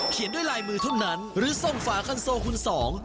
ด้วยลายมือเท่านั้นหรือส่งฝาคันโซคุณสอง